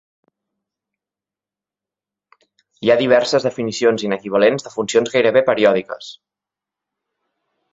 Hi ha diverses definicions inequivalents de funcions gairebé periòdiques.